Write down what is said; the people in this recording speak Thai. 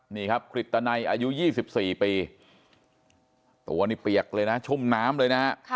นี่ครับกฤตนัยอายุ๒๔ปีตัวนี่เปียกเลยนะชุ่มน้ำเลยนะฮะ